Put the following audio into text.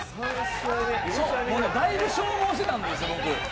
だいぶ消耗してたんです、僕。